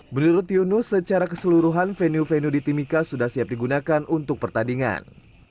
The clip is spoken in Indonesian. menurut yunus secara keseluruhan venue venue di timika sudah siap digunakan untuk pertandingan